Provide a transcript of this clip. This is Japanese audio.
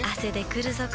くるぞ？